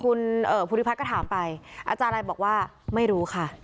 คุณภูริพัฒน์ก็ถามไปอาจารย์อะไรบอกว่าไม่รู้ค่ะ